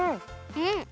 うん。